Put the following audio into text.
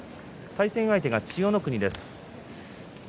対戦相手の千代の国です。